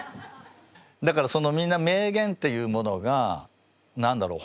だからそのみんな名言っていうものが何だろう